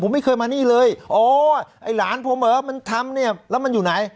ผมไม่เคยมานี่เลยอ๋อไอ้หลานผมเหรอมันทำเนี่ยแล้วมันอยู่ไหน